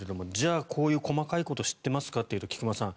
あこういう細かいことを知っていますかというと菊間さん